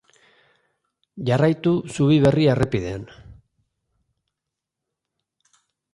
Jarraitu Zubi Berri errepidean.